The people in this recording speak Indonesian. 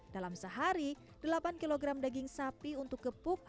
dalam sehari delapan kg daging sapi untuk gepuk